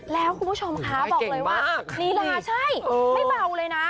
แล้วคุณผู้ชมคะบอกเลยว่าลีลาใช่ไม่เบาเลยนะ